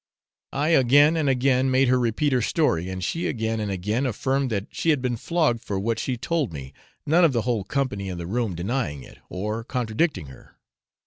I again and again made her repeat her story, and she again and again affirmed that she had been flogged for what she told me, none of the whole company in the room denying it, or contradicting her.